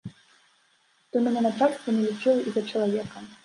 То мяне начальства не лічыла і за чалавека.